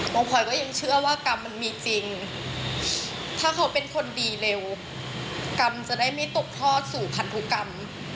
พลอยก็ยังเชื่อว่ากรรมมันมีจริงถ้าเขาเป็นคนดีเร็วกรรมจะได้ไม่ตกทอดสู่พันธุกรรม